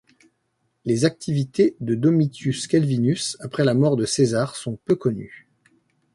Les activités de Domitius Calvinus après la mort de César sont peu connues.